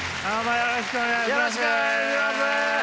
よろしくお願いします。